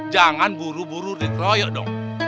jangan buru buru dikeroyok dong